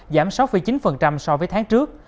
giảm sáu chín so với tháng trước